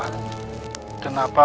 kenapa bapak aku berhenti